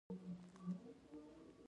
خو سانسور هم شته.